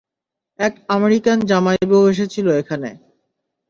এক আমেরিকান জামাই বউ এসেছিলো এখানে।